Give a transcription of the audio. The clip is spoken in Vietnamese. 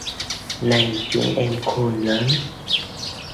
Nay chúng em khôn lớn